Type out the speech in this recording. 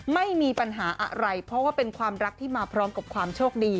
ไม่มีปัญหาอะไรเพราะว่าเป็นความรักที่มาพร้อมกับความโชคดี